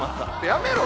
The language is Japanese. やめろ！